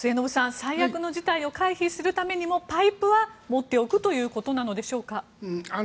最悪の事態を回避するためにもパイプは持っておくということなのでしょうか。